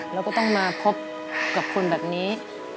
เราก็ต้องมาพบกับคนแบบนี้